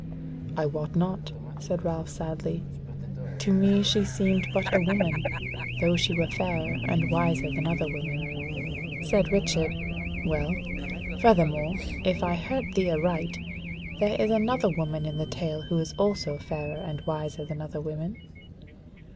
"I wot not," said Ralph sadly; "to me she seemed but a woman, though she were fairer and wiser than other women." Said Richard: "Well, furthermore, if I heard thee aright, there is another woman in the tale who is also fairer and wiser than other women?"